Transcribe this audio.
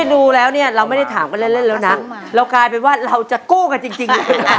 ดูแล้วเนี่ยเราไม่ได้ถามกันเล่นแล้วนะเรากลายเป็นว่าเราจะกู้กันจริงเลยนะ